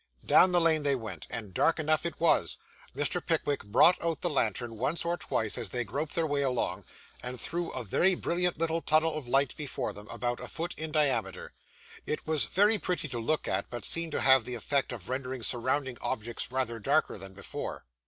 Down the lane they went, and dark enough it was. Mr. Pickwick brought out the lantern, once or twice, as they groped their way along, and threw a very brilliant little tunnel of light before them, about a foot in diameter. It was very pretty to look at, but seemed to have the effect of rendering surrounding objects rather darker than before.